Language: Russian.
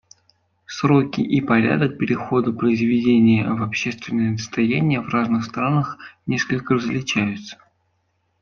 Сроки и порядок перехода произведения в общественное достояние в разных странах несколько различаются.